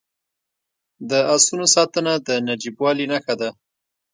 د اسونو ساتنه د نجیبوالي نښه ده.